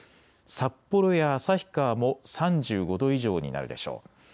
札幌や旭川も３５度以上になるでしょう。